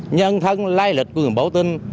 nhân thân lai lịch của người báo tin